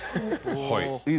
はい。